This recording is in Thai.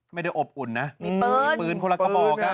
ไม่ได้อบอุ่นนะมีปืนมีปืนคนละกระบอก